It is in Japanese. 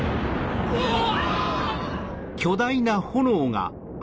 うわ！